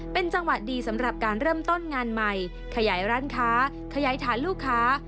เป็นจังหวะดีสำหรับการเริ่มต้นงานใหม่ขยายร้านค้าขยายฐานลูกค้า